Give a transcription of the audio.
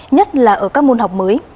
nhất là ở các môn học mới